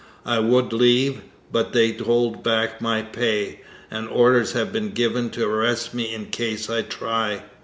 I would leave, but they hold back my pay, and orders have been given to arrest me in case I try.